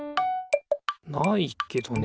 ないけどね。